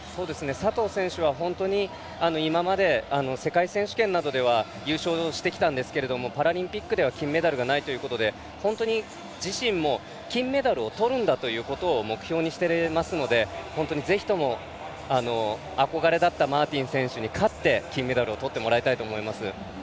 佐藤選手は本当に今まで世界選手権などでは優勝してきたんですがパラリンピックでは金メダルがないということで自身も金メダルをとるんだということを目標にしてますのでぜひとも憧れだったマーティン選手に勝って金メダルをとってもらいたいと思います。